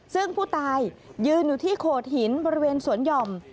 ซึ่งผู้ตายยืนอยู่ที่โขดหินบริเวณสวนหย่อม